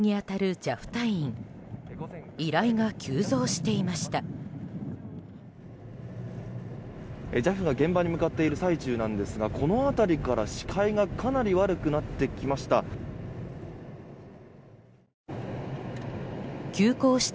ＪＡＦが現場に向かっている最中ですがこの辺りから、視界がかなり悪くなってきました。